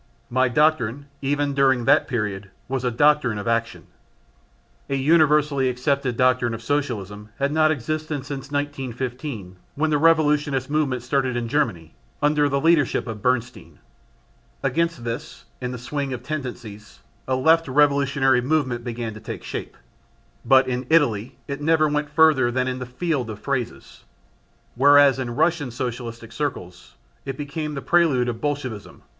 My doctrine, even during that period, was a doctrine of action. A universally accepted doctrine of Socialism had not existed since 1915 when the revisionist movement started in Germany, under the leadership of Bernstein. Against this, in the swing of tendencies, a left revolutionary movement began to take shape, but in Italy it never went further than the "field of phrases," whereas in Russian Socialistic circles it became the prelude of Bolscevism.